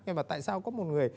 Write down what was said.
nhưng mà tại sao có một người